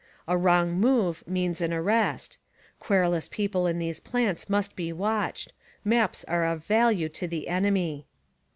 A wrong move means an arrest. Querulous people in these plants must be watched : Maps are of value to the enemy.